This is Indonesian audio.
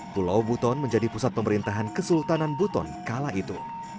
pulau buton menjadi pusat pemerintahan kesultanan buton kala itu